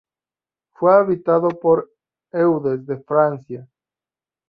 Fue habitado por Eudes de Francia.